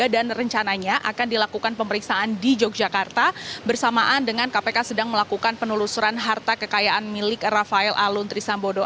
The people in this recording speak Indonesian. dan rencananya akan dilakukan pemeriksaan di yogyakarta bersamaan dengan kpk sedang melakukan penelusuran harta kekayaan milik rafael alun trisambodo